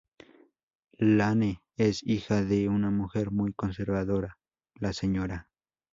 Lane es hija de una mujer muy conservadora, la Sra.